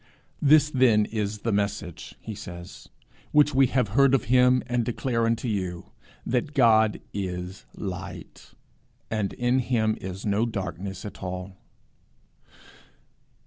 'This then is the message,' he says, 'which we have heard of him, and declare unto you, that God is light, and in him is no darkness at all.'